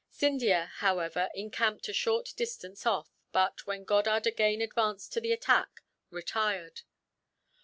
Scindia, however, encamped a short distance off but, when Goddard again advanced to the attack, retired.